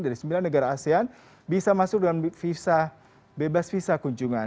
dari sembilan negara asean bisa masuk dalam bebas visa kunjungan